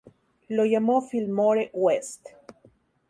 Lo llamó Fillmore West.